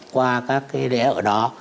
qua các cái lễ ở đó